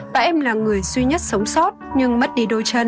tại em là người duy nhất sống sót nhưng mất đi đôi chân